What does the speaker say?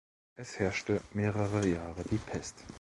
Es herrschte mehrere Jahre die Pest.